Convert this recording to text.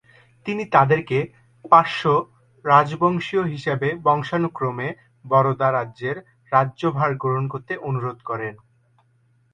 তিনি তাদেরকে পার্শ্ব রাজবংশীয় হিসেবে বংশানুক্রমে বরোদা রাজ্যের রাজ্য ভার গ্রহণ করতে অনুরোধ করেন।